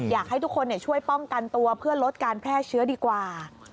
อยากให้ทุกคนช่วยป้องกันตัวเพื่อลดการแพร่เชื้อดีกว่า